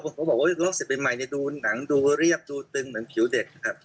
เขาบอกว่าโรคสิทธิ์ใหม่ดูหนังดูเรียบดูตึงเหมือนผิวเด็กครับ